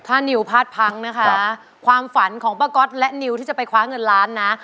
ถ้านิวพลาดพังนะคะความฝันของป้าก๊อตและนิวที่จะไปคว้าเงินล้านนะ